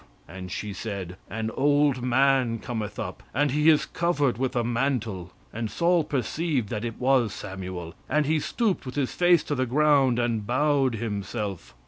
And she said, An old man cometh up; and he is covered with a mantle. And Saul perceived that it was Samuel, and he stooped with his face to the ground, and bowed himself."